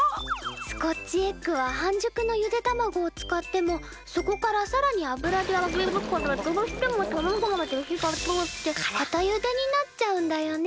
スコッチエッグは半熟のゆで卵を使ってもそこからさらに油であげるからどうしても卵まで火が通って固ゆでになっちゃうんだよね。